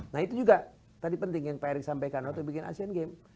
nah itu juga tadi penting yang pak erick sampaikan waktu bikin asean games